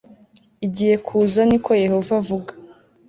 igiye kuza ni ko yehova avuga